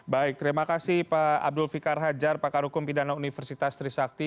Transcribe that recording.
baik terima kasih pak abdul fikar hajar pakar hukum pidana universitas trisakti